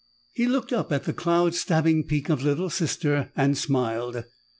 He looked up at the cloud stabbing peak of Little Sister and smiled.